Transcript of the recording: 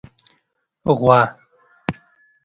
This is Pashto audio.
🐄 غوا